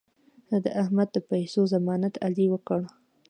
د احمد د پیسو ضمانت علي وکړ.